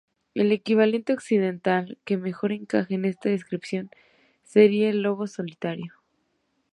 El equivalente occidental que mejor encaja en esta descripción sería el de ""lobo solitario"".